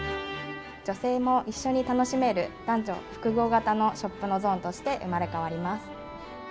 女性も一緒に楽しめる、男女複合型のショップのゾーンとして生まれ変わります。